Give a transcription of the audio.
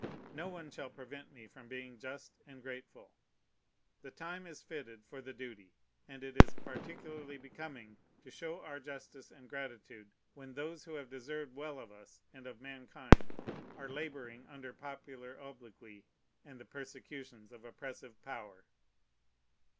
No one shall prevent me from being just and grateful. The time is fitted for the duty; and it is particularly becoming to show our justice and gratitude, when those who have deserved well of us and of mankind are laboring under popular obloquy and the persecutions of oppressive power.